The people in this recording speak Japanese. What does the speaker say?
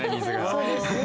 そうですね。